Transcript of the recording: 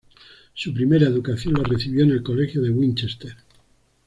Su primera educación la recibió en el Colegio de Winchester.